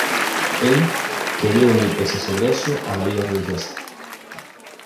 Él quería unir el sacerdocio a la vida religiosa.